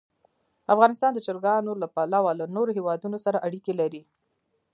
افغانستان د چرګان له پلوه له نورو هېوادونو سره اړیکې لري.